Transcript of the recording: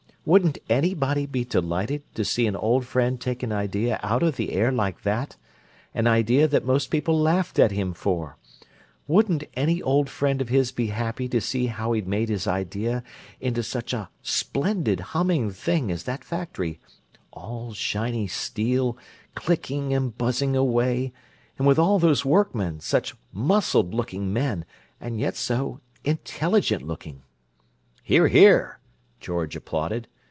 Wouldn't anybody be delighted to see an old friend take an idea out of the air like that—an idea that most people laughed at him for—wouldn't any old friend of his be happy to see how he'd made his idea into such a splendid, humming thing as that factory—all shiny steel, clicking and buzzing away, and with all those workmen, such muscled looking men and yet so intelligent looking?" "Hear! Hear!" George applauded.